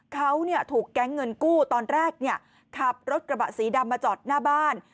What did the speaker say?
เขาถูกแก๊งเงินกู้ตอนแรกขับรถกระบะสีดำมาจอดหน้าบ้าน